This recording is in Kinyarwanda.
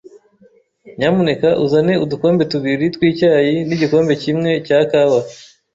Nyamuneka uzane udukombe tubiri twicyayi nigikombe kimwe cya kawa.